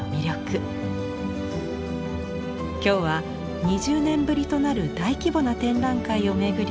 今日は２０年ぶりとなる大規模な展覧会を巡り